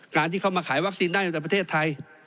การที่เขามาขายวัคซีนได้ในประเทศไทย